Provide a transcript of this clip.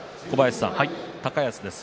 高安です。